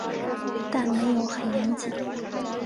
但没有很严谨